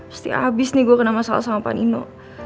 pasti abis nih gue kena masalah sama panino